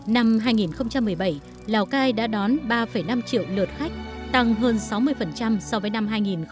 năm hai nghìn một mươi bảy lào cai đã đón ba năm triệu lượt khách tăng hơn sáu mươi so với năm hai nghìn một mươi bảy